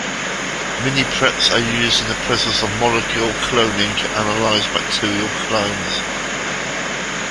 Minipreps are used in the process of molecular cloning to analyze bacterial clones.